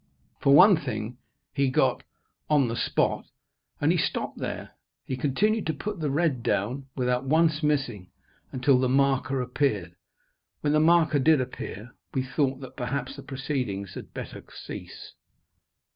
For one thing, he got "on the spot," and he stopped there. He continued to put the red down, without once missing, until the marker appeared. When the marker did appear, we thought that perhaps the proceedings had better cease.